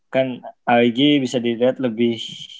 kan ig bisa dilihat lebih